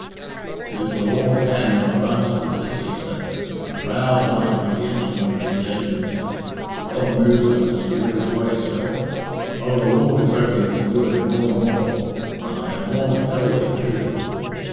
"It is the Lord's hand on a rascal," said Cæsar, "and proud am I to be the instrument of his vengeance. 'God moves in a mysterious way,' sir. Oh, the Lord is opening His word more and more. And I have more to tell thee, too.